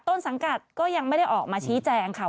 ต้นสังกัดก็ยังไม่ได้ออกมาชี้แจงค่ะ